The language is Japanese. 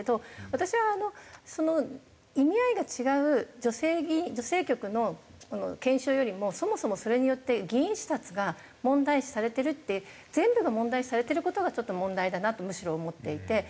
私はその意味合いが違う女性局の研修よりもそもそもそれによって議員視察が問題視されてるって全部が問題視されてる事がちょっと問題だなとむしろ思っていて。